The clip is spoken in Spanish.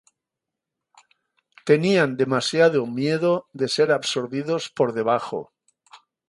Tenían demasiado miedo de ser absorbidos por debajo.